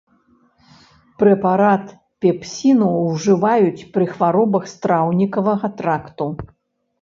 Прэпарат пепсіну ўжываюць пры хваробах страўнікавага тракту.